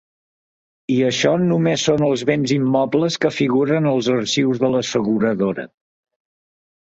I això només són els béns immobles que figuren als arxius de l'asseguradora.